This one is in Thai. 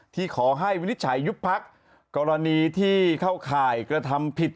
ขอให้วินิจฉัยยุบพักกรณีที่เข้าข่ายกระทำผิด